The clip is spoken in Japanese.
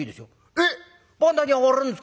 「えっ番台に上がれるんですか？